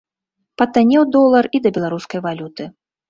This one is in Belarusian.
Патаннеў долар і да беларускай валюты.